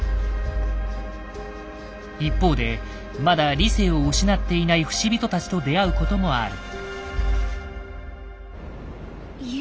一方でまだ理性を失っていない不死人たちと出会うこともある。